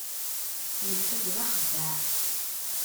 Yelfa-d d axeddaɛ.